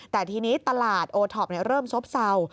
แต่ทีนี้ตลาดโอท็อปเริ่มซบเศร้า